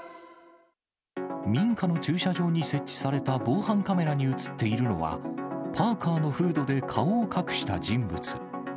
民家の駐車場に設置された防犯カメラに写っているのは、パーカーのフードで顔を隠した人物。